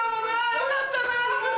よかったなもう。